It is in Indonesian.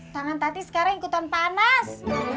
tangan tati sekarang ikutan panas